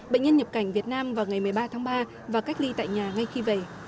bệnh nhân nhập cảnh việt nam vào ngày một mươi ba tháng ba và cách ly tại nhà ngay khi về